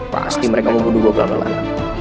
pasti mereka mau bunuh gue pelan pelan